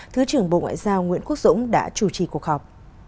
thứ trưởng bộ ngoại giao nguyễn quốc dũng đã chủ trì cuộc họp